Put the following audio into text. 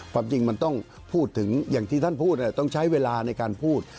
ความจริงมันต้องพูดถึงอย่างที่ท่านพูดต้องใช้เวลาในการพูด